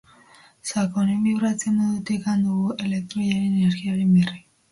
Soken bibrazio-modutik dugu elektroiaren energiaren berri.